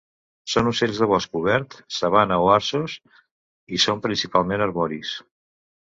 Són ocells de bosc obert, sabana o arços, i són principalment arboris.